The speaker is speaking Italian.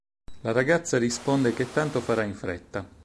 La ragazza risponde che tanto farà in fretta.